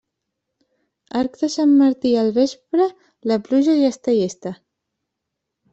Arc de Sant Martí al vespre, la pluja ja està llesta.